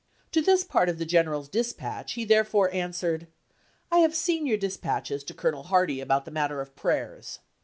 To this part of the general's dispatch he therefore answered : "I have seen your dispatches to Colonel Hardie about the matter of prayers.